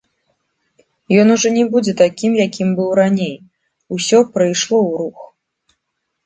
Ён ужо не будзе такім, якім быў раней, усё прыйшло ў рух.